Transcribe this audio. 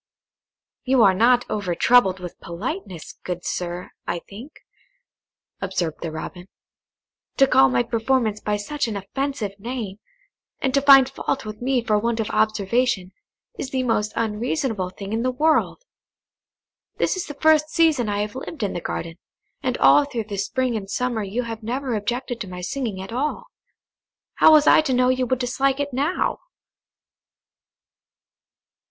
"You are not over troubled with politeness, good sir, I think," observed the Robin; "to call my performance by such an offensive name, and to find fault with me for want of observation, is the most unreasonable thing in the world. This is the first season I have lived in the garden, and all through the spring and summer you have never objected to my singing at all. How was I to know you would dislike it now?"